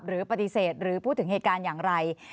หรือปฏิเสธหรือพูดถึงเหตุการณ์อย่างไร